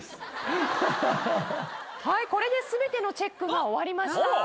これで全てのチェックが終わりました。